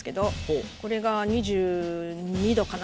これが２２℃かな？